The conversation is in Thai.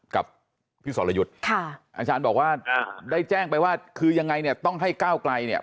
กับพี่สรยุทธ์ค่ะอาจารย์บอกว่าได้แจ้งไปว่าคือยังไงเนี่ยต้องให้ก้าวไกลเนี่ย